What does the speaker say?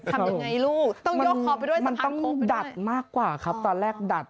ทำยังไงลูกต้องยกคอไปด้วยมันต้องดัดมากกว่าครับตอนแรกดัด